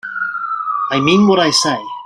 I mean what I say.